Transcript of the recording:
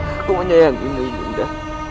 aku menyayangi mu nanda